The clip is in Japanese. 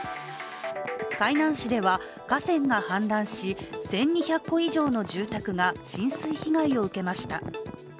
海南市では、河川が氾濫し１２００戸以上の住宅が浸水被害を受けました。